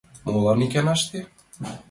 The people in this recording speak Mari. Молан иканаште?